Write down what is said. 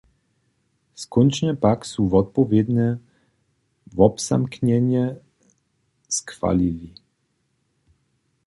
Skónčnje pak su wotpowědne wobzamknjenje schwalili.